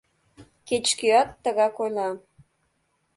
— Кеч-кӧат тыгак ойла.